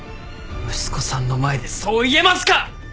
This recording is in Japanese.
息子さんの前でそう言えますか！